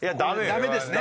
ダメですね。